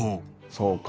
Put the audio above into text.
「そうか。